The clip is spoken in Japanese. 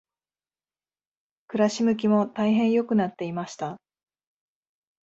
暮し向きも大変良くなっていました。